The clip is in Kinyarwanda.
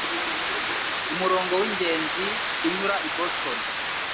Umurongo wingenzi unyura i Boston